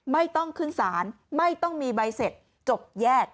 ไม่ต้องขึ้นศาลไม่ต้องมีใบเสร็จจบแยก